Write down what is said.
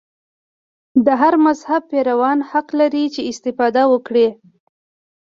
د هر مذهب پیروان حق لري چې استفاده وکړي.